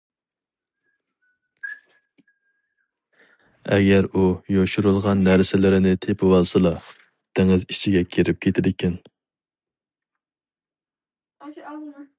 ئەگەر ئۇ يوشۇرۇلغان نەرسىلىرىنى تېپىۋالسىلا دېڭىز ئىچىگە كىرىپ كېتىدىكەن.